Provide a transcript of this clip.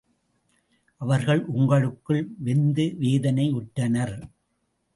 அவர்கள் உள்ளுக்குள் வெந்து வேதனை உற்றனர்.